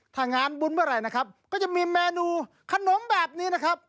ถ้างานบุญเมื่อไหร่นะครับก็จะมีเมนูขนมแบบนี้นะครับ